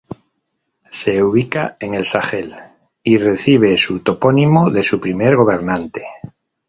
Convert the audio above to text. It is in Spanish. Se ubica en el Sahel y recibe su topónimo de su primer gobernante.